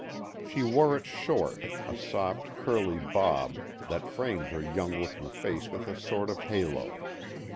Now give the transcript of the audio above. She wore it short, a soft, curly bob, that framed her young looking face with a sort of halo.